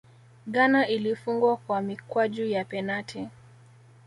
ghana ilifungwa kwa mikwaju ya penati